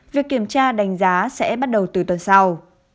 việc kiểm tra đánh giá sẽ bắt đầu từ tuần sau